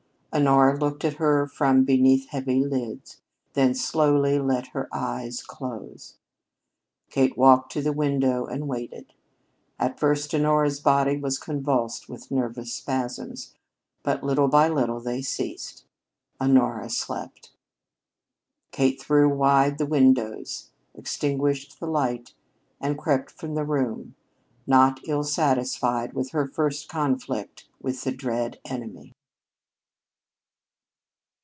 Honora looked at her from beneath heavy lids, then slowly let her eyes close. Kate walked to the window and waited. At first Honora's body was convulsed with nervous spasms, but little by little they ceased. Honora slept. Kate threw wide the windows, extinguished the light, and crept from the room, not ill satisfied with her first conflict with the dread enemy.